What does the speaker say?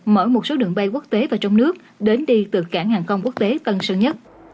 mở một số đường bay quốc tế và trong nước đến đi từ cảng hàng không quốc tế tân sơn nhất